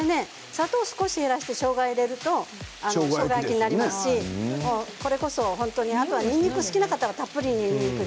砂糖を減らしてしょうがを入れるとしょうが焼きになりますしそれこそ本当にあとは、にんにくが好きな方は方はたっぷりにんにく